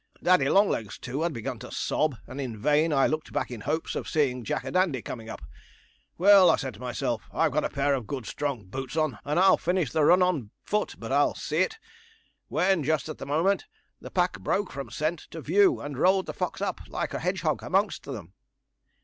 Daddy Longlegs, too, had begun to sob, and in vain I looked back in hopes of seeing Jack a Dandy coming up. "Well," said I to myself, "I've got a pair of good strong boots on, and I'll finish the run on foot but I'll see it"; when, just at the moment, the pack broke from scent to view and rolled the fox up like a hedgehog amongst them.'